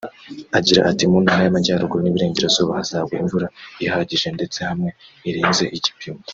Agira ati “Mu Ntara y’Amajyaruguru n’iy’Iburengerazuba hazagwa imvura ihagije ndetse hamwe irenze igipimo